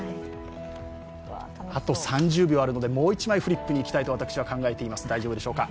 あと３０秒あるので、もう１枚いきたいと考えています。